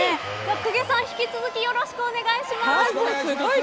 久下さん、引き続きよろしくお願いします。